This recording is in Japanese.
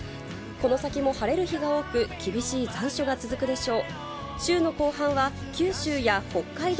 この先も晴れる日が多く、厳しい残暑が続くでしょう。